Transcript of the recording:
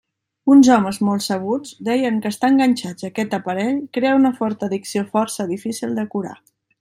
Uns homes molt sabuts deien que estar enganxats a aquest aparell crea una forta addicció força difícil de curar.